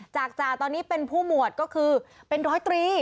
จากจ่าตอนนี้เป็นผู้หมวดก็คือเป็นร้อยตรี